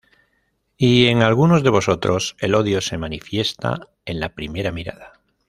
Y en algunos de vosotros el odio se manifiesta en la primera mirada.